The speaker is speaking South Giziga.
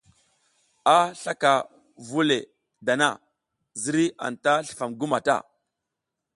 A slaka vu le dana, ziriy anta slifam gu mata.